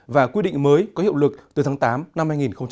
và quy định mới có hiệu lực từ tháng tám năm hai nghìn hai mươi